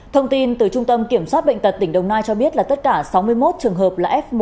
thông tin từ trung tâm kiểm soát bệnh tật tỉnh đồng nai cho biết là tất cả sáu mươi một trường hợp là f một